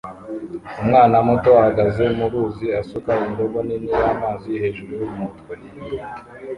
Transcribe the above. Umwana muto ahagaze mu ruzi asuka indobo nini y'amazi hejuru y'umutwe